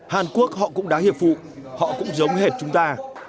hàn quốc họ cũng đáng hiệp phụ họ cũng giống hết chúng ta